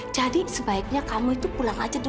jadi sebaiknya kamu itu pulang aja dulu